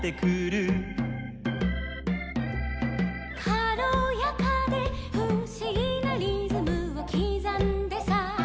「かろやかでふしぎなリズムをきざんでさ」